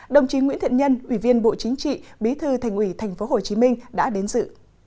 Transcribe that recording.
đồng chí nguyễn thiện nhân ủy viên bộ chính trị bí thư thành ủy tp hcm đã đến dự